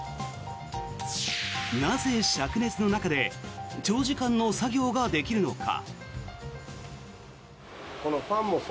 なぜ、しゃく熱の中で長時間の作業ができるのか。